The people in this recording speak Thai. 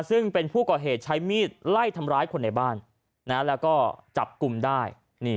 ซึ่งเป็นผู้ก่อเหตุใช้มีดไล่ทำร้ายคนในบ้านแล้วก็จับกลุ่มได้